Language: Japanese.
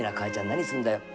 何すんだよ」。